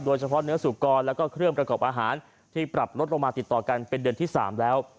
โดยเฉพาะเนื้อสุกรแล้วก็เครื่องประกอบอาหารที่ปรับลดลงมาติดต่อกันเป็นเดือนที่๓แล้ว